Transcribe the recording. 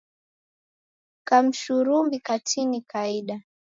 Kamshurumbi katini kaida.